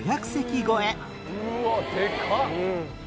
うわでかっ！